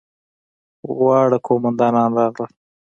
واړه قوماندان راغلل.